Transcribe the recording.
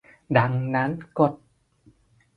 ดังนั้นกฎ